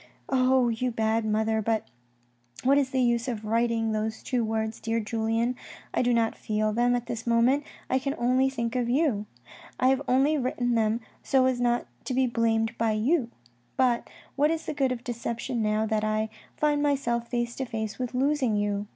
Oh, you bad mother ! but what is the use of my writing those two words, dear Julien ? I do not feel them, at this moment I can only think of you. I have only written them so as not to be blamed by you, but what is the good of deception now that I find myself face to face with losing you?